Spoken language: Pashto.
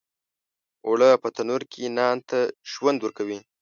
اوړه په تنور کې نان ته ژوند ورکوي